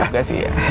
gak sih ya